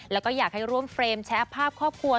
แล้วก็อยากให้ร่วมเฟรมแชร์ภาพครอบครัว